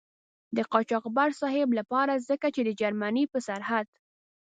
د قاچاقبر صاحب له پاره ځکه چې د جرمني په سرحد.